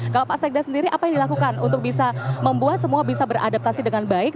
kalau pak sekda sendiri apa yang dilakukan untuk bisa membuat semua bisa beradaptasi dengan baik